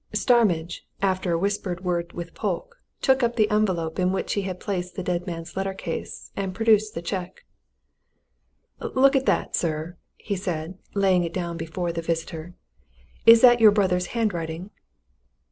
Starmidge, after a whispered word with Polke, took up the envelope in which he had placed the dead man's letter case, and produced the cheque. "Look at that, sir," he said, laying it before the visitor. "Is that your brother's handwriting?"